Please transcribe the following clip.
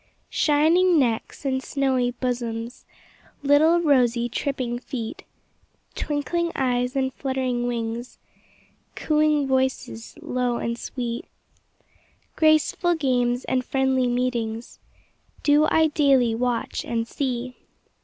Shining necks and snowy bosoms, Little rosy, tripping feet, Twinkling eyes and fluttering wings, Cooing voices, low and sweet, Graceful games and friendly meetings, Do I daily watch and see.